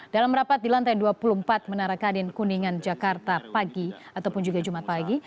dalam rapat di lantai dua puluh empat menara kadin kuningan jakarta pagi ataupun juga jumat pagi